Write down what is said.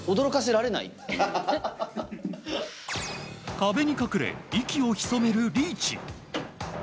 壁に隠れ、息をひそめるリーチ。